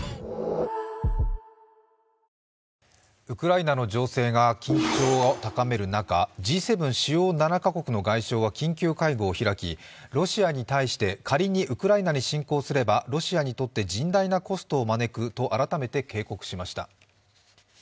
ウクライナの情勢が緊張を高める中Ｇ７＝主要７か国の外相は緊急会合を開き、ロシアに対して仮にウクライナに侵攻すればロシアにとって甚大なコストを招くと改めて警告しました。